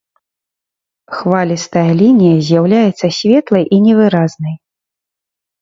Хвалістая лінія з'яўляецца светлай і невыразнай.